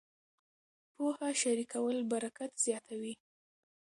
پوهه شریکول برکت زیاتوي.